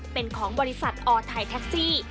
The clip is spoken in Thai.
เป็นของบริษัทออไทยแท็กซี่